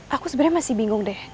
aku sebenarnya masih bingung deh